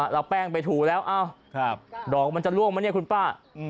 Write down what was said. เอาแป้งไปถูแล้วดอกมันจะล่วงไหมเนี่ยคุณป้า